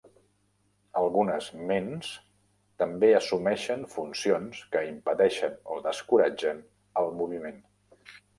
Algunes Ments també assumeixen funcions que impedeixen o descoratgen el moviment.